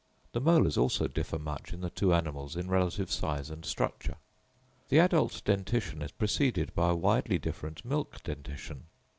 The molars also differ much in the two animals in relative size and structure. The adult dentition is preceded by a widely different milk dentition.